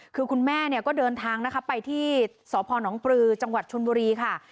คือคุณแม่ก็เดินทางไปที่สนปรือจังหวัดชุนบุรีค่ะ